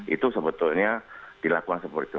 itu sebetulnya dilakukan seperti itu